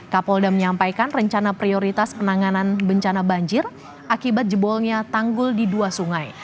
kapolda menyampaikan rencana prioritas penanganan bencana banjir akibat jebolnya tanggul di dua sungai